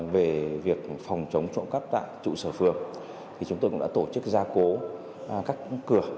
về việc phòng chống trộm cắp tại trụ sở phường thì chúng tôi cũng đã tổ chức gia cố các cửa